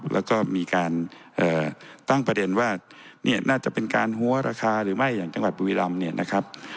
แล้วก็มีการตั้งประเด็นว่าน่าจะเป็นการหัวราคาหรือไม่อย่างจังหวัดบริวิรรรม